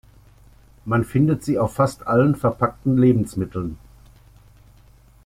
Man findet sie auf fast allen verpackten Lebensmitteln.